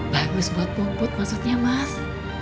bagus buat pumput maksudnya mas